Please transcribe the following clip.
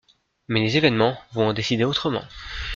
Mais les événements vont en décider autrement.